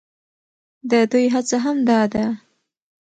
د دوى هڅه هم دا ده،